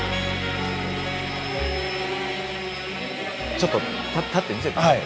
ちょっと立って見せてください。